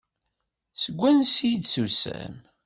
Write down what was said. Seg wansi i d-tusam?